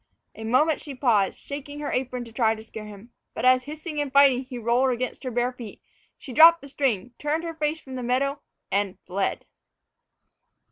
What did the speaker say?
A moment she paused, shaking her apron to try to scare him. But as, hissing and fighting, he rolled against her bare feet, she dropped the string, turned her face from the meadow and fled!